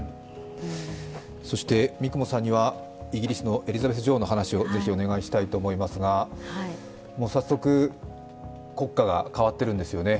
そして三雲さんにはイギリスのエリザベス女王の話をぜひお願いしたいと思いますが早速、国歌が変わっているんですよね。